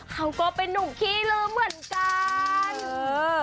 เขาก็เป็นนุ่มขี้ลืมเหมือนกัน